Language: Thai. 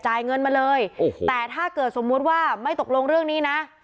เงินมาเลยโอ้โหแต่ถ้าเกิดสมมุติว่าไม่ตกลงเรื่องนี้นะ